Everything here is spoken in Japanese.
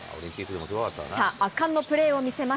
さあ、圧巻のプレーを見せます。